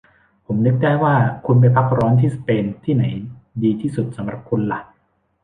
ผมนึกได้ว่าคุณไปพักร้อนที่สเปน ที่ไหนดีที่สุดสำหรับคุณหละ